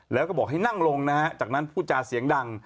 แล้วก็บอกให้นั่งลงนะฮะจากนั้นพูดจาเสียงดัง